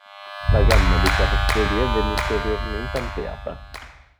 La gamma di carrozzerie venne ulteriormente ampliata.